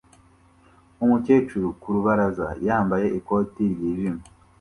Umukecuru ku rubaraza yambaye ikoti ryijimye